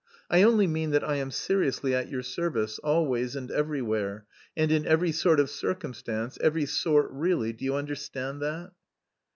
I only mean that I am seriously at your service, always and everywhere, and in every sort of circumstance, every sort really, do you understand that?"